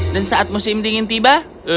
saat musim dingin tiba